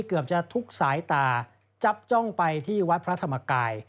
เกือบจะทุกสายตาจับจ้องไปที่วัดพระธรรมกาย